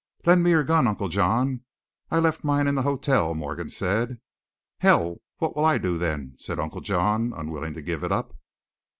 "Lend me your gun, Uncle John I left mine in the hotel," Morgan said. "Hell, what'll I do then?" said Uncle John, unwilling to give it up.